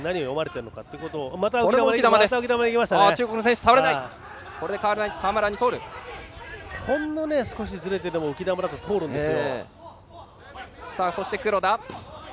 今も出しましたがほんの少しずれていても浮き球だと通るんですよ。